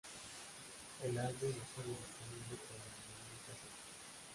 El álbum estuvo disponible como Vinilo y casete.